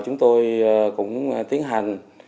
chúng tôi cũng tiến hành